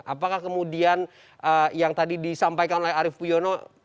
apakah kemudian yang tadi disampaikan oleh arief puyono